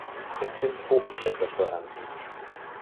Es sind Hochblätter vorhanden.